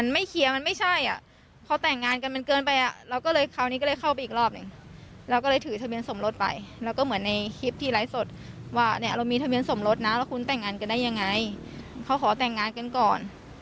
มีทะเบียนสมรสนะแล้วคุณแต่งงานกันได้ยังไงเขาขอแต่งงานกันก่อน